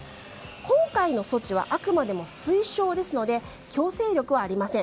今回の措置はあくまでも推奨ですので強制力はありません。